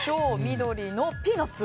緑のピーナツ。